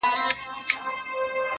څوک به نو څه رنګه اقبا وویني.